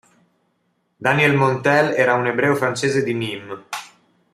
Daniel Montel era un ebreo francese di Nîmes.